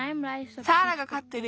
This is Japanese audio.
サーラがかってる